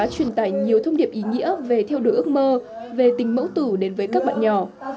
truyền tải nhiều thông điệp ý nghĩa về theo đuổi ước mơ về tình mẫu tủ đến với các bạn nhỏ